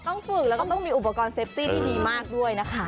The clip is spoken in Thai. ต้องฝึกแล้วก็ต้องมีอุปกรณ์เซฟตี้ที่ดีมากด้วยนะคะ